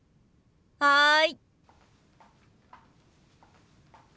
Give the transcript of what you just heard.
はい。